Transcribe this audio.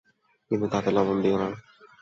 কিন্তু তাতে লবণ দিওনা।